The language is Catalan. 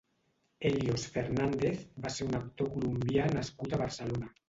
Helios Fernández va ser un actor colombià nascut a Barcelona.